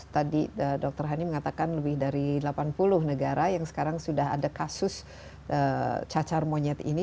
tadi dr hani mengatakan lebih dari delapan puluh negara yang sekarang sudah ada kasus cacar monyet ini